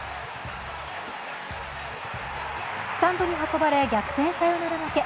スタンドに運ばれ逆転サヨナラ負け。